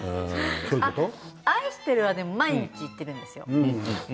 愛してるは毎日、言ってるんですよ。